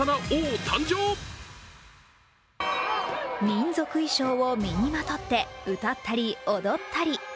民族衣装を身にまとって歌ったり踊ったり。